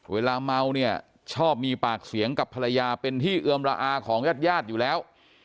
เวลาเมาเนี่ยชอบมีปากเสียงกับภรรยาเป็นที่เอือมระอาของญาติญาติอยู่แล้ว